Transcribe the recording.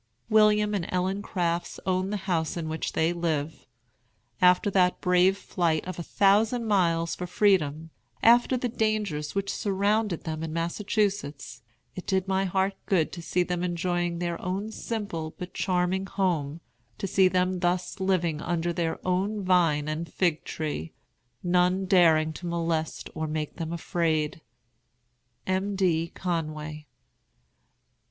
"William and Ellen Crafts own the house in which they live. After that brave flight of a thousand miles for freedom, after the dangers which surrounded them in Massachusetts, it did my heart good to see them enjoying their own simple but charming home, to see them thus living under their own vine and fig tree, none daring to molest or make them afraid. "M. D. CONWAY."